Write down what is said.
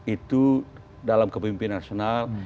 itu dalam kepemimpinan nasional